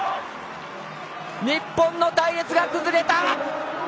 日本の隊列が崩れた！